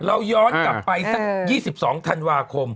เราย้อนกลับไปสัก๒๒ธันวาคม